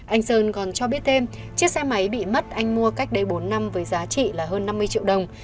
anh sơn còn cho biết thêm chiếc xe máy bị mất anh mua cách đây bốn năm với giá trị là hơn năm mươi triệu đồng